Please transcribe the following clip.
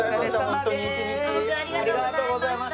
ホントありがとうございました！